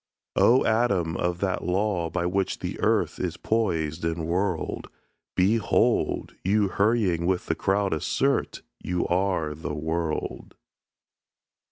"O atom of that law, by which the earth Is poised and whirled; Behold! you hurrying with the crowd assert You are the world."